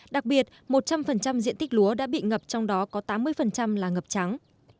đặc biệt một trăm linh diện tích lúa đã bị ngập trong đó có tám mươi là ngập trắng